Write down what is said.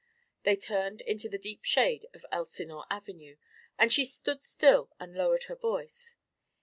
They turned into the deep shade of Elsinore Avenue, and she stood still and lowered her voice.